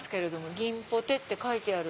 吟ぽてって書いてある。